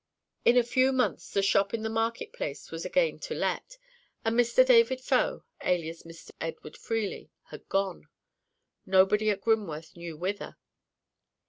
In a few months the shop in the market place was again to let, and Mr. David Faux, alias Mr. Edward Freely, had gone—nobody at Grimworth knew whither.